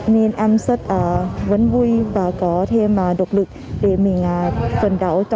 nên em rất vấn vui và có thêm độc lực để mình phần đảo